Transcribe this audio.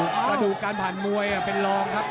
กระดูกการผ่านมวยเป็นรองครับ